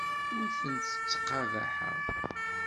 Ur tent-ttqabaḥeɣ.